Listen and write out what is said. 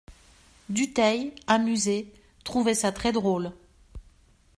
Dutheil, amusé, trouvait ça très drôle.